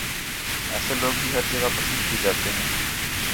ایسے لوگ بھی ہر جگہ پسند کیے جاتے ہیں